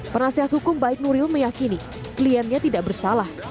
penasihat hukum baik nuril meyakini kliennya tidak bersalah